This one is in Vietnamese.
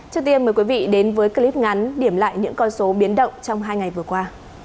trước tiên mời quý vị đến với clip ngắn điểm lại những con số biến động trong hai ngày vừa qua